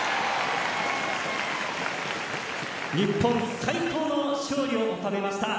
日本、最高の勝利を収めました。